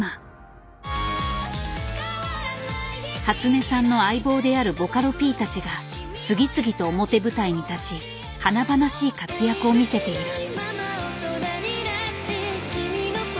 初音さんの相棒であるボカロＰたちが次々と表舞台に立ち華々しい活躍を見せている。